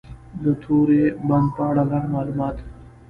د توری بند په اړه لنډ معلومات: